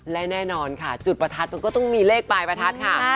และแน่นอนค่ะจุดประทัดมันก็ต้องมีเลขปลายประทัดค่ะ